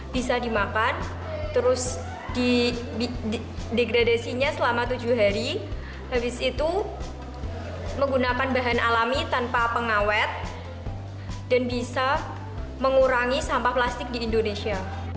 bisa dimakan terus di degradasinya selama tujuh hari habis itu menggunakan bahan alami tanpa pengawet dan bisa mengurangi sampah plastik di indonesia